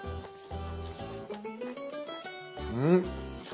うん。